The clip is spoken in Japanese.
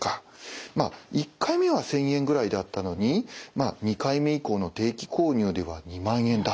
１回目は１，０００円ぐらいだったのに２回目以降の定期購入では２万円だったと。